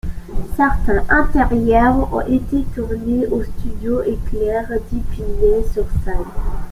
Certains intérieurs ont été tournés aux Studios Éclair d'Épinay-sur-Seine.